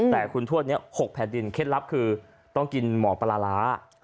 แต่คุณทวดนี้๖แผ่นดินเคล็ดลับคือต้องกินหมอปลาร้า